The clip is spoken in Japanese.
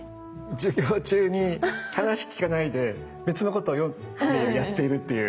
授業中に話聞かないで別のことをやっているという。